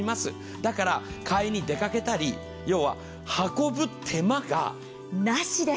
だから買いに出かけたり、要は運ぶ手間がなしです。